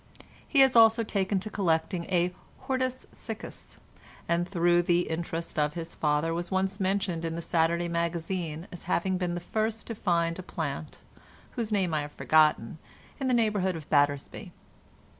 He has also taken to collecting a hortus siccus, and through the interest of his father was once mentioned in the Saturday Magazine as having been the first to find a plant, whose name I have forgotten, in the neighbourhood of Battersby.